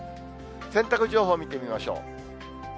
洗濯情報見てみましょう。